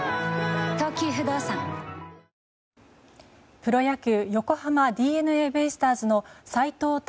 プロ野球横浜ＤｅＮＡベイスターズの斎藤隆